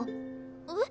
えっ？